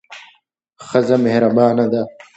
ښځه مهربانه ده.